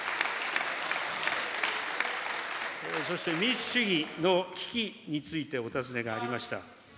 そして民主主義の危機について、お尋ねがありました。